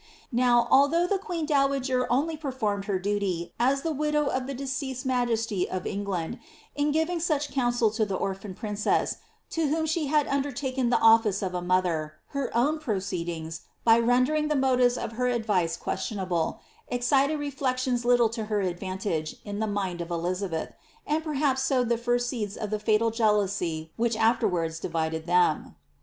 Now, although the queen dowager only performed her duty, as the widow of the deceased majesty of England, in giving such counsel to the orphan princess, to whom she had undertaken the office of a mother, her own proceedings, by rendering the motives of her advice questionable, ex cited reflections little to her advantage in the mind of Elizabeth, and perhaps sowed the first seeds of the fotal jealousy which afterwards divided them.